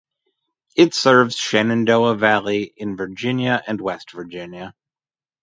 It serves the Shenandoah Valley in Virginia and West Virginia.